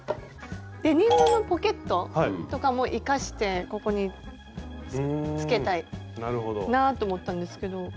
デニムのポケットとかも生かしてここにつけたいなと思ったんですけど。